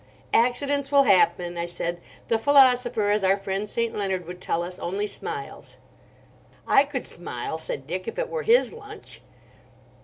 "Accidents will happen," I said. "The philosopher—as our friend St. Leonard would tell us—only smiles." "I could smile," said Dick, "if it were his lunch."